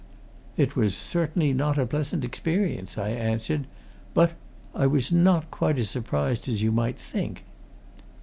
"It was certainly not a pleasant experience," I answered. "But I was not quite as surprised as you might think."